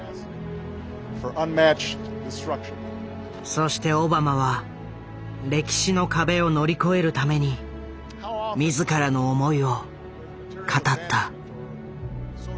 そしてオバマは歴史の壁を乗り越えるために自らの思いを語った。